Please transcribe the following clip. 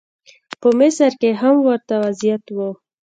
په مصر کې هم ورته وضعیت و.